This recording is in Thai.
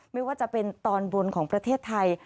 ไม่ว่าจะเป็นตอนบนของประเทศไทย